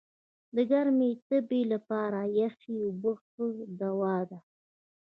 د ګرمي تبي لپاره یخي اوبه ښه دوا ده.